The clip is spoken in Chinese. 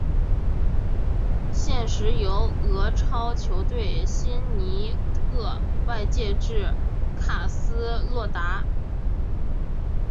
现时由俄超球队辛尼特外借至卡斯洛达。